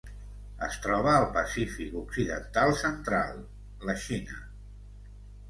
Es troba al Pacífic occidental central: la Xina.